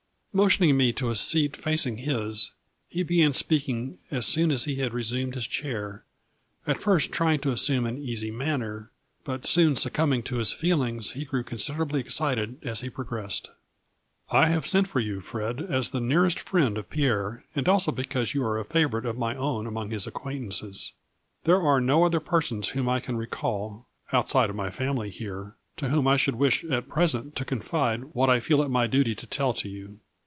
Motioning me to a seat facing his, he began speaking as soon as he had resumed his chair, at first trying to assume an easy manner, but soon succumbing to his feelings he grew consid erably excited as he progressed. " I have sent for you, Fred, as the nearest A FLURRY IN DIAMONDS. 119 friend of Pierre and also because you are a favorite of my own among his acquaintances. There are no other persons whom I can recall, outside of my family here, to whom I should wish at present to confide what I feel it my duty to tell to you.